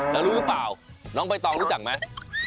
รู้หรือเปล่าน้องไปตอนรู้จักไหม